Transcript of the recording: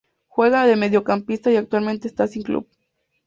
Juega de mediocampista y actualmente está sin club.